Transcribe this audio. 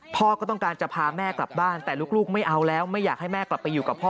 พ่อก็ต้องการจะพาแม่กลับบ้านแต่ลูกไม่เอาแล้วไม่อยากให้แม่กลับไปอยู่กับพ่อ